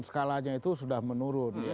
skalanya itu sudah menurun